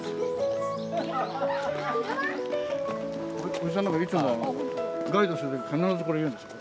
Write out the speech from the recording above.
おじさんなんかいつもガイドする時必ずこれ言うんですよ。